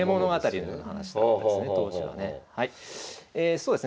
そうですね